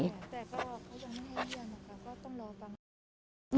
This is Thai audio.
แต่ก็เขาบอกเขายังไม่ให้เรียนนะคะก็ต้องรอบัง